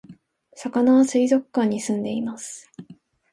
さかなは水族館に住んでいます